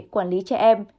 quản lý trẻ em